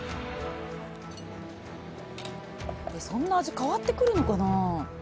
そんな味変わってくるのかな？